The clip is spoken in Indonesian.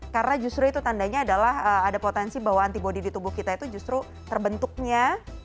karena justru itu tandanya adalah ada potensi bahwa antibody di tubuh kita itu justru terbentuknya